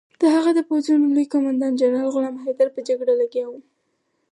د هغه د پوځونو لوی قوماندان جنرال غلام حیدر په جګړه لګیا وو.